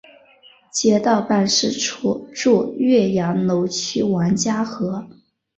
街道办事处驻岳阳楼区王家河。